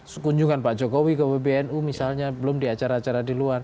sekunjungan pak jokowi ke wbnu misalnya belum di acara acara di luar